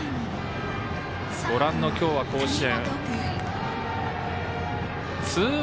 ご覧の今日は甲子園。